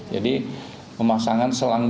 jadi pemasangan selang